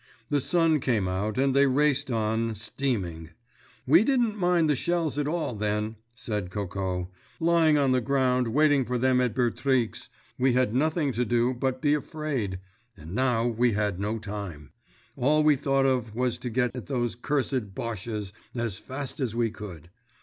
The sun came out and they raced on, steaming. "We didn't mind the shells at all, then," said Coco. "Lying on the ground waiting for them at Bertrix we had nothing to do but be afraid—but now we had no time. All we thought of was to get at those cursed 'Bosches' as fast as we could."